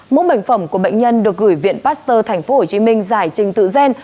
mẫu bệnh phẩm của bệnh nhân được gửi viện pasteur tp hcm giải trình tự gen